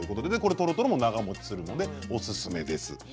とろとろするのでおすすめです。